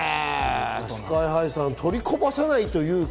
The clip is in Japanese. ＳＫＹ−ＨＩさんは取りこぼさない。